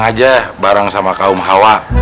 aja bareng sama kaum hawa